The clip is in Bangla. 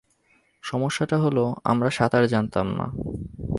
সমস্যাটা হল, আমরা সাঁতার জানতাম না।